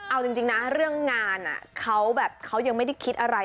เอาจริงนะเรื่องงานเขาแบบเขายังไม่ได้คิดอะไร